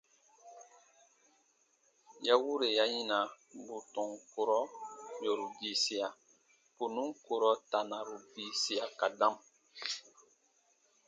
Ya wure ya yina bù tɔn kurɔ yòru diisia, bù nùn kurɔ tanaru diisia ka dam.